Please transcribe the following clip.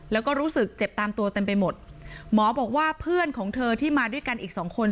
แล้วก็รู้สึกเจ็บตามตัวเต็มไปหมดหมอบอกว่าเพื่อนของเธอที่มาด้วยกันอีกสองคน